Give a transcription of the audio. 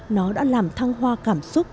nó đã làm thăng hoa cảm xúc